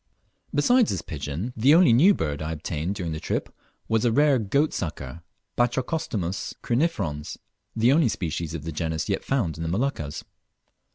Besides this pigeon, the only new bird I obtained during the trip was a rare goat sucker (Batrachostomus crinifrons), the only species of the genus yet found in the Moluccas.